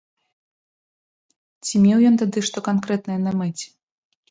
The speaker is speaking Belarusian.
Ці меў ён тады што канкрэтнае на мэце?